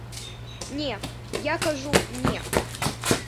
Не я, кажу, не.